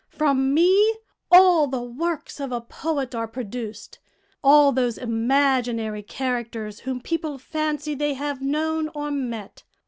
From me, all the works of a poet are produced; all those imaginary characters whom people fancy they have known or met.